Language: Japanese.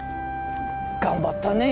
頑張ったね。